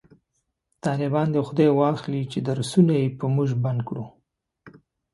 طالبان دی خداي واخلﺉ چې درسونه یې په موژ بند کړو